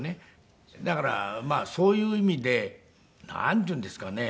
だからそういう意味でなんていうんですかね。